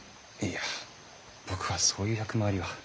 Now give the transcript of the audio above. いや僕はそういう役回りは。